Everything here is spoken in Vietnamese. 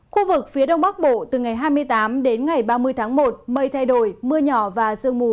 khu vực phía đông bắc bộ từ ngày hai mươi tám đến ngày ba mươi tháng một mây thay đổi mưa nhỏ và sương mù